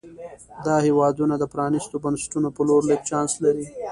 دا هېوادونه د پرانیستو بنسټونو په لور لږ چانس لري.